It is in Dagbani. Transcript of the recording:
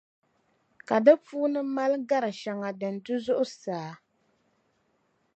Ka di puuni mali gar’ shɛŋa din du zuɣusaa.